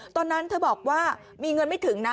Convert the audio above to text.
ตอนนั้นเธอบอกว่ามีเงินไม่ถึงนะ